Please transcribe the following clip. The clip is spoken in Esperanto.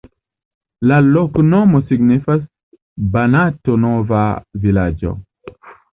La loknomo signifas: Banato-nova-vilaĝo.